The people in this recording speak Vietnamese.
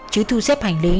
chứ thu xếp hành lý